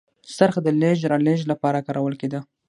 څرخ د لېږد رالېږد لپاره کارول کېده.